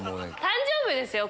誕生日ですよ